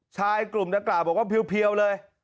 ชายกลุ่มนักกล่าวบอกว่าเพียวเลย